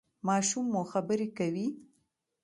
ماشوم مو خبرې کوي؟